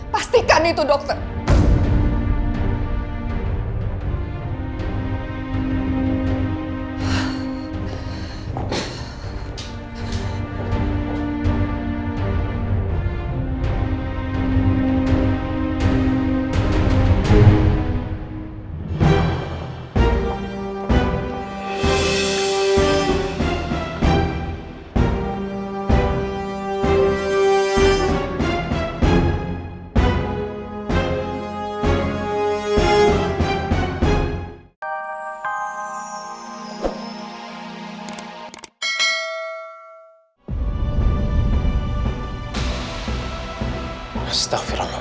pastikan itu dokter